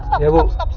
saya punya sekensi